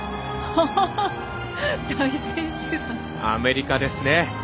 アメリカです。